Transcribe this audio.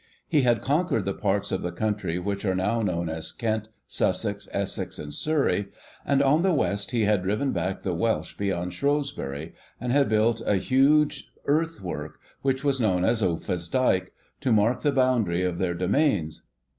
He had conquered the parts of the country which are now known as Kent, Sussex, Essex, and Surrey, and on the West he had driven back the Welsh beyond Shrewsbury, and had built a huge earthwork, which was known as 'Offa's Dyke,' to mark the boundary of their domains.